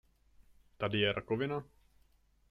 Tady je rakovina?